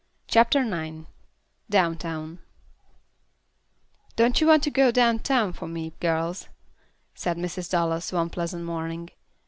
CHAPTER IX Down Town "Don't you want to go down town for me, girls?" said Mrs. Dallas, one pleasant morning.